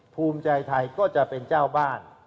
ภูมิใจไทยก็จะเป็นเจ้าบ้าน